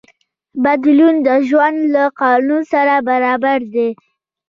بدلون د ژوند له قانون سره برابر دی.